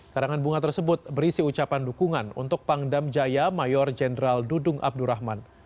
karangan bunga tersebut berisi ucapan dukungan untuk pangdam jaya mayor jenderal dudung abdurrahman